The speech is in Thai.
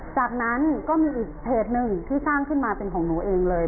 จากนั้นก็มีอีกเพจหนึ่งที่สร้างขึ้นมาเป็นของหนูเองเลย